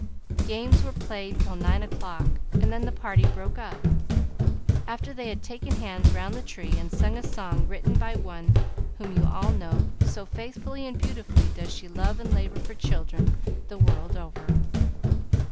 Games were played till nine o'clock, and then the party broke up, after they had taken hands round the tree and sung a song written by one whom you all know, so faithfully and beautifully does she love and labor for children the world over.